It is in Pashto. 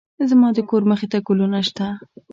زما د کور مخې ته ګلونه شته